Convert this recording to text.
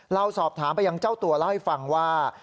เราสอบถามไปยังเจ้าตัวเล่าให้ฟังว่า